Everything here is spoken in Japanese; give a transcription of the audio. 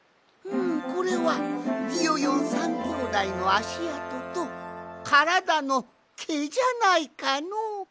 これはビヨヨン３きょうだいのあしあととからだのけじゃないかのう。